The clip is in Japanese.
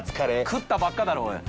食ったばっかだろおい。